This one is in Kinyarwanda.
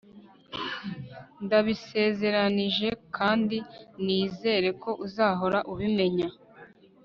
Ndabisezeranije kandi nizere ko uzahora ubimenya